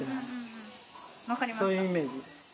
そういうイメージ。